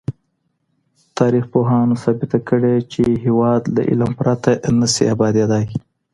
تاريخ پوهانو ثابته کړې چي هېواد له علم پرته نه سي ابادېدای.